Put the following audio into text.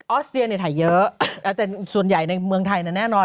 อสเตียเนี่ยถ่ายเยอะแต่ส่วนใหญ่ในเมืองไทยแน่นอน